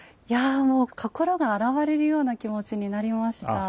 いやもう心が洗われるような気持ちになりました。